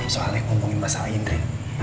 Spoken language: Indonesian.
soalnya ngomongin masalah indri